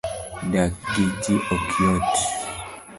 dak gi jii ok yot